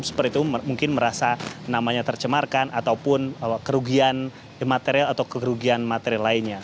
seperti itu mungkin merasa namanya tercemarkan ataupun kerugian material